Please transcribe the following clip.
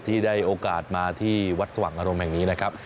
ที่ได้โอกาสมาที่วัดสว่างอารมณ์แห่งนี้นะครับ